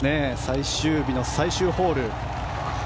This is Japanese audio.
最終日の最終ホール。